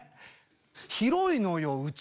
広いのようち。